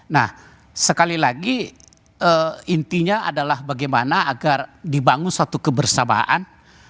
nah sekali lagi intinya adalah bagaimana agar dibangun suatu kebersamaan